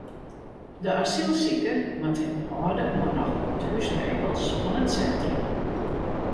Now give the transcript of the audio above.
De asylsiker moat him hâlde oan nochal wat húsregels fan it sintrum.